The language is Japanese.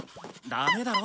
ダメだろ。